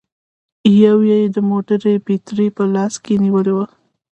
يوه يې د موټر بېټرۍ په لاس کې نيولې وه